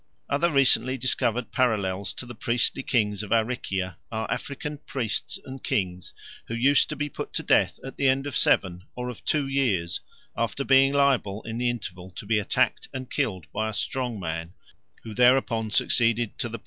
Other recently discovered parallels to the priestly kings of Aricia are African priests and kings who used to be put to death at the end of seven or of two years, after being liable in the interval to be attacked and killed by a strong man, who thereupon succeeded to the priesthood or the kingdom.